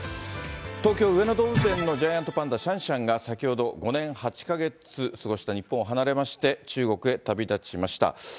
東京・上野動物園のジャイアントパンダ、シャンシャンが先ほど、５年８か月過ごした日本を離れまして、中国へ旅立ちました。